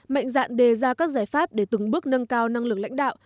mạnh dạn đề ra các giải pháp để từng bước nâng cao năng lực lãnh đạo